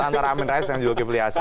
antara amin rais dan yul kivilasan